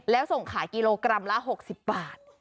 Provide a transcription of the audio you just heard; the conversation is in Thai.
แล้วส่งขายกิโลกรัมละ๖๐บาท